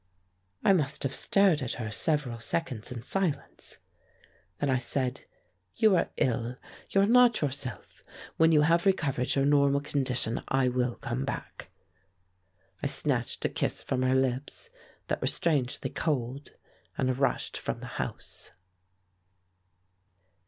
I must have stared at her several seconds in silence. Then I said: "You are ill. You are not yourself. When you have recovered your normal condition I will come back." I snatched a kiss from her lips, that were strangely cold, and rushed from the house.